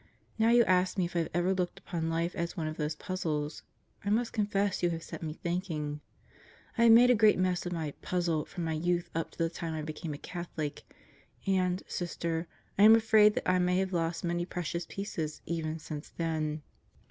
Now you ask me if I have ever looked upon life as one of those puzzles. I must confess you have set me thinking. I have made a great mess of my "puzzle" from my youth up to the time I became a Catholic. And, Sister, I am afraid that I may have lost many precious pieces even since then.